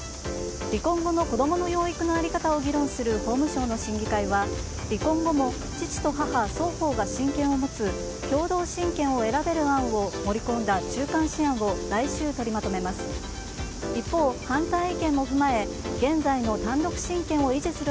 離婚後の子供の養育の在り方を議論する法務省の審議会は離婚後も父と母、双方が親権を持つ共同親権を選べる案を盛り込んだ中間試案を来週、取りまとめます。